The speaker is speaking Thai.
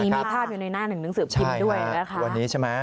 มีภาพในหน้านึงหนึ่งสื่อพิมพ์ด้วยวันนี้มั้ย